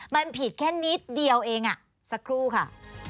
มันผิดแค่นิดเดียวเองสักครู่ค่ะ